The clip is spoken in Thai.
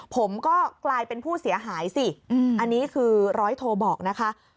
ผมก็กลายเป็นผู้เสียหายสิอันนี้คือร้อยโทรบอกนะคะ